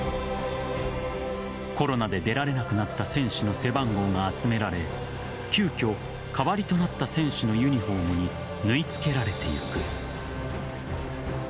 コロナで出られなくなった選手の背番号が集められ急きょ、代わりとなった選手のユニホームに縫い付けられてゆく。